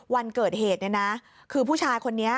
วันเกิดเหตุเนี่ยนะคือผู้ชายคนนี้